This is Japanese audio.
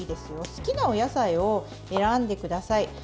好きなお野菜を選んでください。